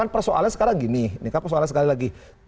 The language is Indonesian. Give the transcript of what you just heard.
persoalannya sekarang gini